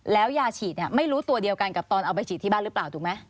แล้วยาฉีดเนี่ยไม่รู้ตัวเดียวกันกับตอนเอาไปฉีดที่บ้านหรือเปล่าถูกไหม